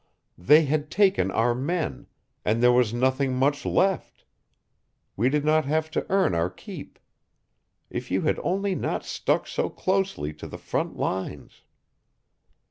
They had taken our men, and there was nothing much left. We did not have to earn our keep. If you had only not stuck so closely to the front lines."